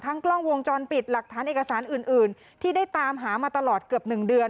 กล้องวงจรปิดหลักฐานเอกสารอื่นที่ได้ตามหามาตลอดเกือบ๑เดือน